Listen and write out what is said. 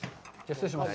失礼します。